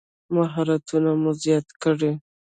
مهارتونه مو زیات کړئ